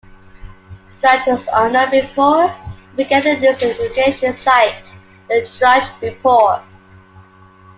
Drudge was unknown before he began the news aggregation site, the Drudge Report.